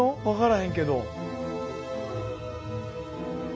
分からへんけど。